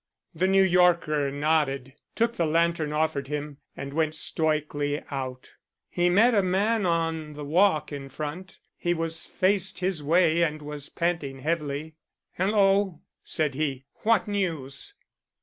The New Yorker nodded, took the lantern offered him, and went stoically out. He met a man on the walk in front. He was faced his way and was panting heavily. "Hello," said he, "what news?"